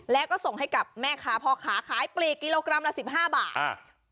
แล้วก็ส่งให้กับแม่ค้าพ่อค้าขายปลีกกิโลกรัมละสิบห้าบาทอ่า